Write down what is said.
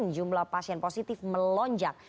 jumlah pasien positif melonjak